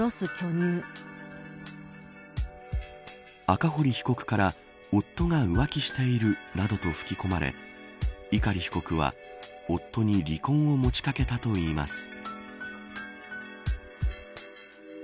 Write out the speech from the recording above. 赤堀被告から夫が浮気しているなどと吹き込まれ碇被告は、夫に離婚を持ちかけたといいます。